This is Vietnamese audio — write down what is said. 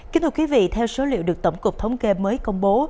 kính thưa quý vị theo số liệu được tổng cục thống kê mới công bố